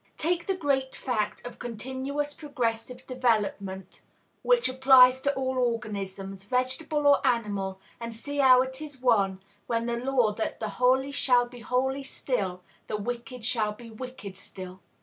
Take the great fact of continuous progressive development which applies to all organisms, vegetable or animal, and see how it is one with the law that "the holy shall be holy still, the wicked shall be wicked still."